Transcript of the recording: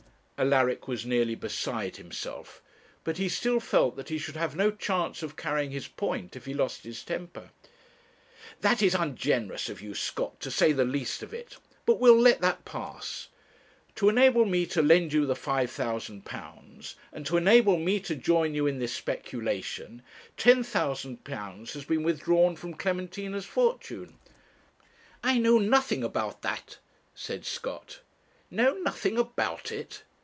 Alaric was nearly beside himself; but he still felt that he should have no chance of carrying his point if he lost his temper. 'That is ungenerous of you, Scott, to say the least of it; but we'll let that pass. To enable me to lend you the £5,000, and to enable me to join you in this speculation, £10,000 has been withdrawn from Clementina's fortune.' 'I know nothing about that,' said Scott. 'Know nothing about it!'